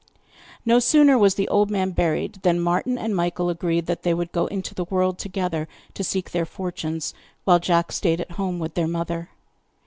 No sooner was the old man buried than Martin and Michael agreed that they would go into the world together to seek their fortunes, while Jack stayed at home with their mother.